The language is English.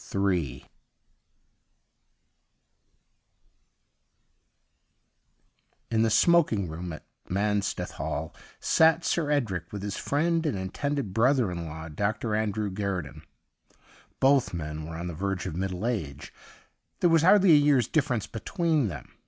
Ill In the smoking room at Mansteth Hall sat Sir Edric with his friend and intended brother in law, Dr. Andrew Guerdon. Both men were on the verge of middle age ; there was hardly a year's difference be tween them.